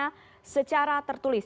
hanya secara tertulis